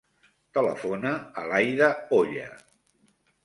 Telefona a l'Aïda Oya.